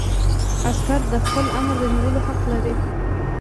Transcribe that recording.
عسکر د خپل آمر د نیولو حق لري.